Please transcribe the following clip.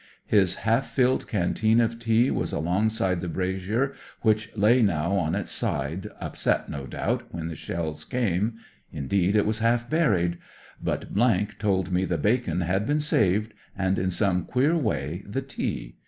His half filled canteen of tea was along side the brazier, which lay now on its side ; upset, no doubt, when the shells came : indeed, it was half buried. But told me the bacon had been saved, and, in some queer way, the tea.